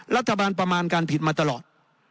รัฐบาลประมาณการผิดมาตลอด